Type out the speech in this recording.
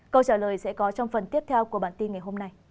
câu trả lời sẽ có trong phần tiếp theo của bản tin ngày hôm nay